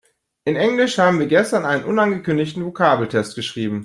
In Englisch haben wir gestern einen unangekündigten Vokabeltest geschrieben.